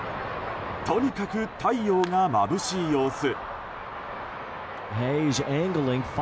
とにかく太陽がまぶしい様子。